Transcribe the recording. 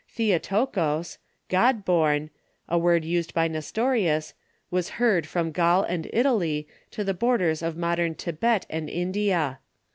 ^^ T/wotokos^'' — "God born" — a word used by Nestorius, was heard from Gaul and Italy to the borders of modern Thibet and India.